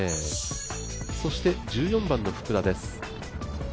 そして１４番の福田です。